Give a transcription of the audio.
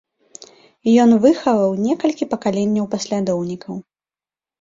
Ён выхаваў некалькі пакаленняў паслядоўнікаў.